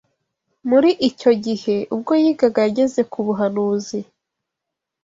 Muri icyo gihe ubwo yigaga yageze ku buhanuzi